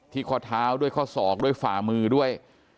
ข้อเท้าด้วยข้อศอกด้วยฝ่ามือด้วย